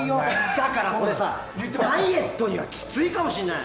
だから、これさダイエットにはきついかもしれない。